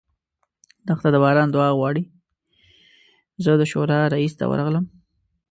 زه د شورا رییس ته ورغلم.